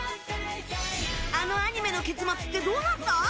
あのアニメの結末ってどうなった？